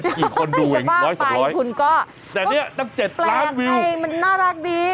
กี่คนดูอย่างนี้ร้อยสักร้อยแต่นี่ตั้ง๗ล้านวิวแปลกไงมันน่ารักดี